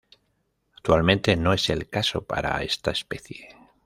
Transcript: Actualmente, no es el caso para esta especie.